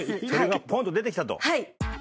それがぽんと出てきたと。